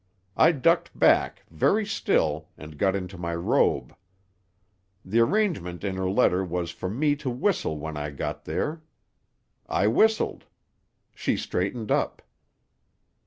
I ducked back, very still, and got into my robe. The arrangement in her letter was for me to whistle when I got there. I whistled. She straightened up.